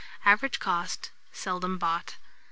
Average cost. Seldom bought.